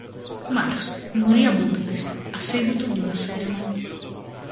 Marx morì a Budapest a seguito di una seria malattia.